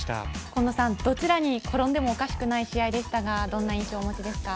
今野さんどちらに転んでもおかしくない試合でしたがどんな印象を持ちですか？